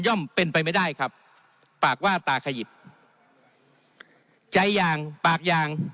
่อมเป็นไปไม่ได้ครับปากว่าตาขยิบใจยางปากยาง